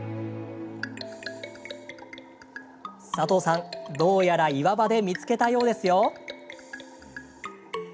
佐藤さん、どうやら岩場で見つけたようですよ。